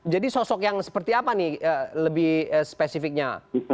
jadi sosok yang seperti apa nih lebih spesifiknya